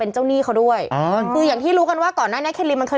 คนก็ตกใจกันอีก